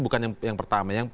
bukan yang pertama